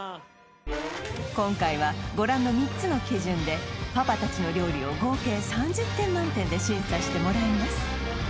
今回はご覧の３つの基準でパパ達の料理を合計３０点満点で審査してもらいます